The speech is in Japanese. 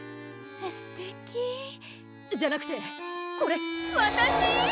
すてき！じゃなくてこれ私？